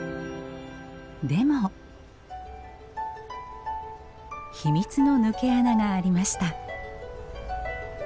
でも秘密の抜け穴がありました。